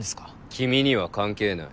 君には関係ない。